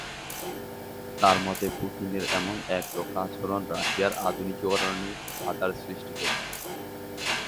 তাঁর মতে, পুতিনের এমন একরোখা আচরণ রাশিয়ার আধুনিকীকরণে বাধার সৃষ্টি করবে।